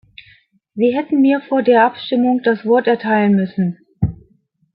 Sie hätten mir vor der Abstimmung das Wort erteilen müssen.